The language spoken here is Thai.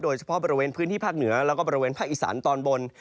โดยเฉพาะบริเวณพื้นที่ภาคเหนือแล้วก็บริเวณภาคอีสานตอนบน